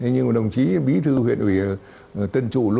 nhưng đồng chí